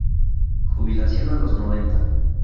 Jubilación... ¡a los noventa!